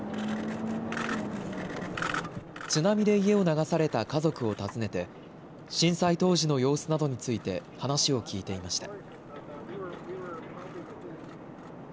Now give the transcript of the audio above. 津波で家を流された家族を訪ねて震災当時の様子などについて話を聞いていました。